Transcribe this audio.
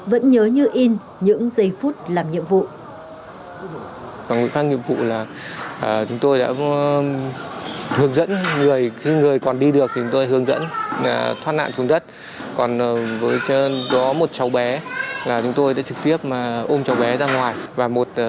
vẫn nhớ như in những giây phút